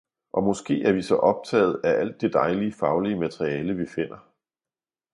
og måske er vi så optaget af alt det dejlige faglige materiale vi finder